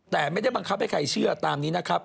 แต่ไม่ได้บังคับให้ใครเชื่อตามนี้นะครับ